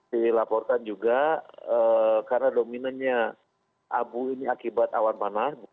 dilaporkan juga karena dominannya abu ini akibat awan panas